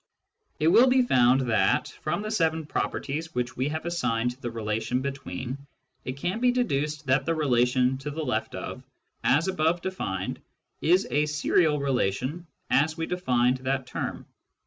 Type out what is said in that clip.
It will be found that, from the seven properties which we have assigned to the relation " between," it can be deduced that the relation " to the left of," as above defined, is a serial relation as we defined that term.